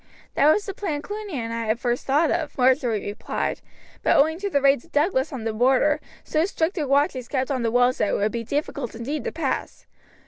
"That was the plan Cluny and I first thought of," Marjory replied; "but owing to the raids of the Douglas on the border, so strict a watch is kept on the walls that it would be difficult indeed to pass.